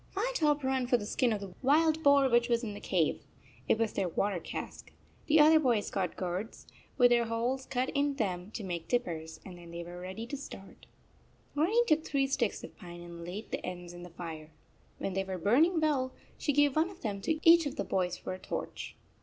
Firetop ran for the skin of the wild boar which was in the cave. It was their water cask. The other boys got gourds with holes cut in them to make dippers, and then they were ready to start. 30 Grannie took three sticks of pine and laid the ends in the fire. When they were burn ing well, she gave one of them to each of the boys for a torch.